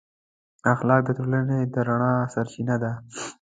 اخلاق د ټولنې د رڼا سرچینه ده.